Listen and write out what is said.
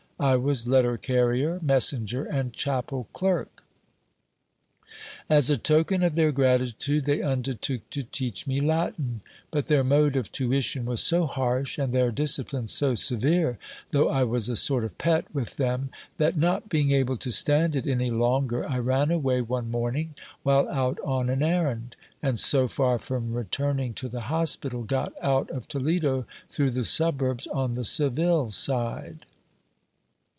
I was letter carrier, messenger, and chapel clerk. As a token of their gratitude, they undertook to teach me Latin ; but their mode of tuition was so harsh, and their discipline so severe, though I was a sort of pet with them, that, not being able to stand it any longer, I ran away one morning while out on an errand ; and, so far from returning to the hospital, got out of Toledo through the suburbs on the Seville side.